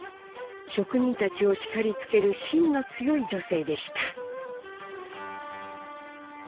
職人たちを叱りつけるしんの強い女性でした。